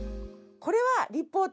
これは立方体。